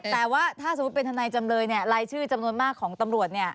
แต่ว่าถ้าสมมุติเป็นทนายจำเลยรายชื่อจำนวนมากของตำรวจ